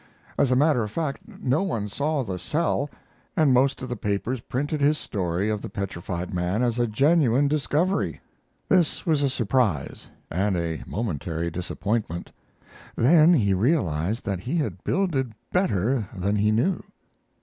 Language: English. As a matter of fact, no one saw the "sell" and most of the papers printed his story of the petrified man as a genuine discovery. This was a surprise, and a momentary disappointment; then he realized that he had builded better than he knew.